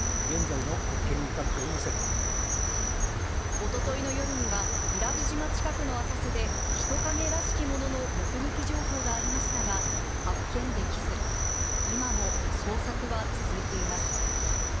一昨日の夜には伊良部島近くの浅瀬で人影らしきものの目撃情報がありましたが発見できず、今も捜索は続いています。